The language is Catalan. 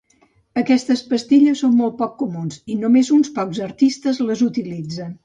Aquestes pastilles són molt poc comuns, i només uns pocs artistes les utilitzen.